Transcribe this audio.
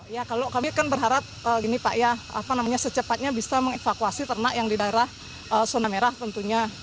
ya kalau kami kan berharap gini pak ya apa namanya secepatnya bisa mengevakuasi ternak yang di daerah zona merah tentunya